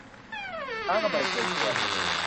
ค้ากำไรเกินควร